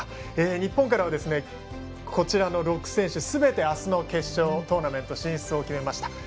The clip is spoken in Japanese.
日本からはこちらの６選手すべて、あすの決勝トーナメント進出を決めました。